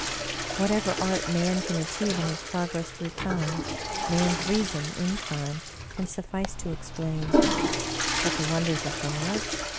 Whatever art Man can achieve in his progress through time, Man's reason, in time, can suffice to explain. But the wonders of God?